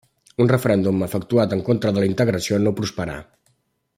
Un referèndum efectuat en contra de la integració no prosperà.